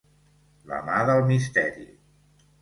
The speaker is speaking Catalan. La mà del misteri.